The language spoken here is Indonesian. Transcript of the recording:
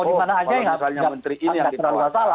oh kalau misalnya menteri ini yang kita paham